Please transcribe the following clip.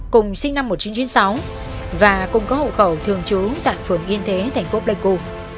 cùng sinh năm một nghìn chín trăm chín mươi sáu và cùng có hậu khẩu thường trú tại phường yên thế thành phố pleiku